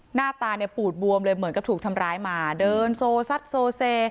หน้าตาเนี่ยปูดบวมเลยเหมือนกับถูกทำร้ายมาเดินโซซัดโซเซ